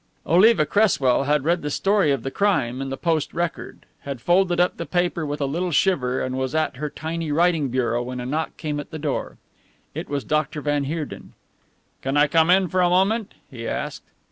Oliva Cresswell had read the story of the crime in the Post Record, had folded up the paper with a little shiver and was at her tiny writing bureau when a knock came at the door. It was Dr. van Heerden. "Can I come in for a moment?" he asked.